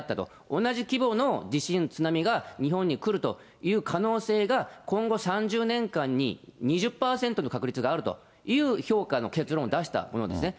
同じ規模の地震、津波が日本に来るという可能性が、今後３０年間に２０％の確率があるという評価の結論を出したものですね。